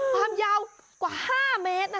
ความยาวกว่า๕เมตรนะ